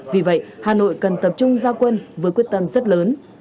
vì vậy hà nội cần tập trung giao quân với quyết tâm rất lớn